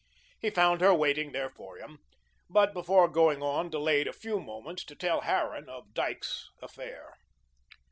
He found her waiting there for him, but before going on, delayed a few moments to tell Harran of Dyke's affair.